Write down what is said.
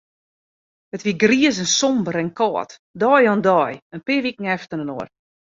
It wie griis en somber en kâld, dei oan dei, in pear wike efterinoar.